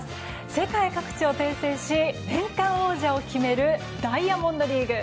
世界各地を転戦し年間王者を決めるダイヤモンドリーグ。